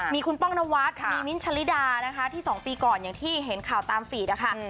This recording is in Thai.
มีคุณป้องนวัดมีมิ้นทะลิดานะคะที่๒ปีก่อนอย่างที่เห็นข่าวตามฟีดนะคะ